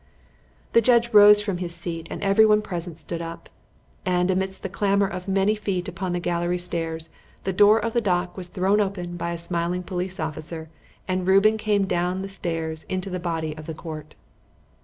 The judge rose from his seat and everyone present stood up; and, amidst the clamour of many feet upon the gallery stairs, the door of the dock was thrown open by a smiling police officer and Reuben came down the stairs into the body of the court.